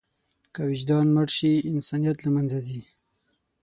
که وجدان مړ شي، انسانیت له منځه ځي.